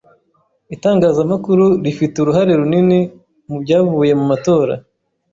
Itangazamakuru rifite uruhare runini mubyavuye mu matora.